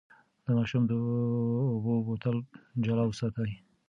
د ماشوم د اوبو بوتل جلا وساتئ.